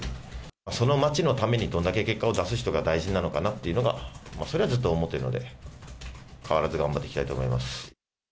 その街のためにどれだけ結果を出す人が大事なのかなっていうのが、それはずっと思っているので、変わらず頑張っていきたいと思います。